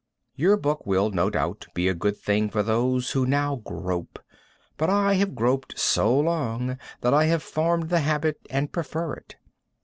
Your book will, no doubt, be a good thing for those who now grope, but I have groped so long that I have formed the habit and prefer it.